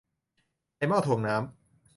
ใส่หม้อถ่วงน้ำ